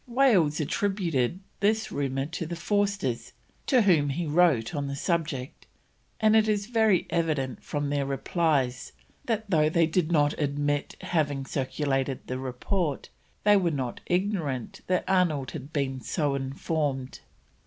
Wales attributed this rumour to the Forsters, to whom he wrote on the subject, and it is very evident from their replies that though they did not admit having circulated the report, they were not ignorant that Arnold had been so informed.